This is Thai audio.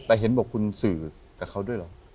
แต่เห็นบอกคุณสื่อกับเขาด้วยเหรอ